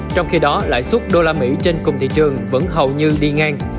trong khi đó lãi suất đô la mỹ trên cùng thị trường vẫn hầu như đi ngang